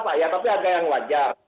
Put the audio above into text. petani bisa mendapatkan harga yang wajar